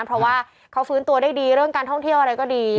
เพราะว่าเขาฟื้นตัวได้ดีเรื่องการท่องเที่ยวอะไรก็ดี